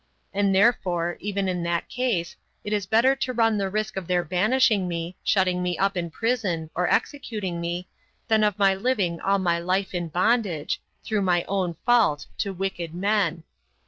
And therefore, even in that case, it is better to run the risk of their banishing me, shutting me up in prison, or executing me, than of my living all my life in bondage, through my own fault, to wicked men.